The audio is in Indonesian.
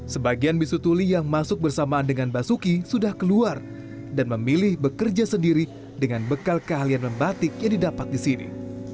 sebagian bisu tuli yang masuk bersamaan dengan basuki sudah keluar dan memilih bekerja sendiri dengan bekal keahlian membatik yang didapat di sini